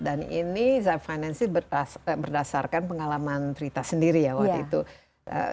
dan ini zapp finance berdasarkan pengalaman trita sendiri ya waktu itu